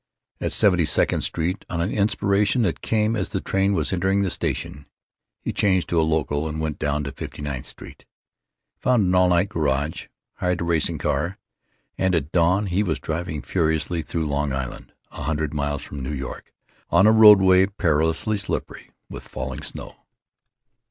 At Seventy second Street, on an inspiration that came as the train was entering the station, he changed to a local and went down to Fifty ninth Street. He found an all night garage, hired a racing car, and at dawn he was driving furiously through Long Island, a hundred miles from New York, on a roadway perilously slippery with falling snow.